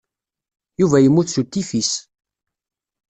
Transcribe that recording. Yuba yemmut s utifis.